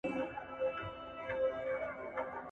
چاړه که د سرو زرو وي هم په سینه کي نه وهل کېږي `